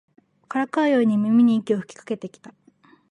からかうように耳に息を吹きかけてきた